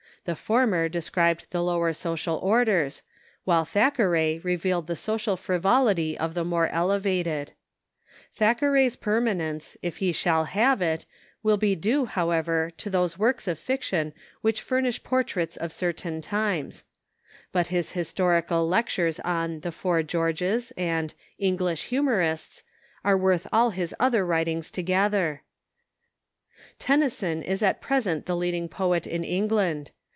The former described the lower social orders, Avhile Thackeray revealed the social frivolity of the more elevated. Thackeray's permanence, if he shall have it, will be due, however, to those LITEKATURE AND RELIGION IN ENGLAND 423 works of fiction which furnish portraits of certain times. But his historical lectures on "The Four Georges" and "English Humorists " are worth all his other writings together, Tenny son is at present the leading poet in England.